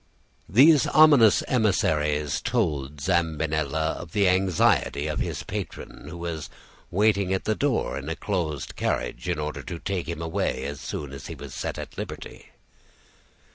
"These ominous emissaries told Zambinella of the anxiety of his patron, who was waiting at the door in a closed carriage in order to take him away as soon as he was set at liberty."